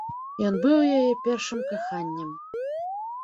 Ён быў яе першым каханнем.